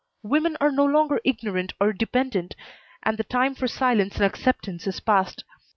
Women are no longer ignorant or dependent, and the time for silence and acceptance is past.